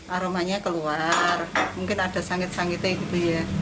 aromanya keluar mungkin ada sangit sangitnya gitu ya